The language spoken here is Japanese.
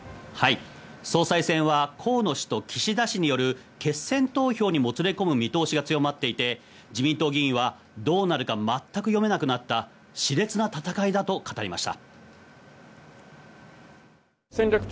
総裁選は河野氏と岸田氏による決選投票にもつれ込む見通しが強まっていて自民党議員はどうなるか全く読めなくなった、し烈な戦いだと語りました。